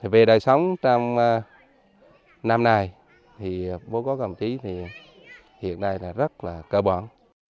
về đời sống trong năm nay thì bố có cảm thấy thì hiện nay là rất là cơ bản